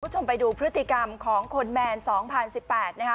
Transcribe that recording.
คุณผู้ชมไปดูพฤติกรรมของคนแมน๒๐๑๘นะคะ